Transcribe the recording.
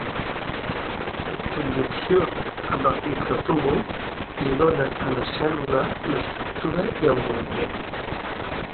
En conjunció amb els microtúbuls li donen a la cèl·lula l'estructura i el moviment.